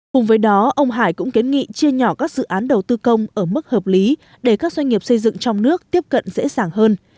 cùng với đó ông hải cũng kiến nghị chia nhỏ các dự án đầu tư công ở mức hợp lý để các doanh nghiệp xây dựng trong nước tiếp cận dễ dàng hơn